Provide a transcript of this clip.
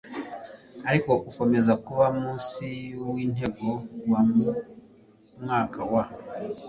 ariko ukomeza kuba munsi y uw intego wa mu mwaka wa